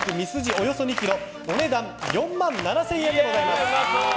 およそ２ｋｇお値段４万７０００円です。